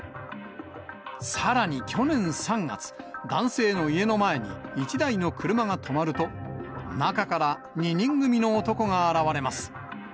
さらに去年３月、男性の家の前に１台の車が止まると、中から２人組の男が現れます。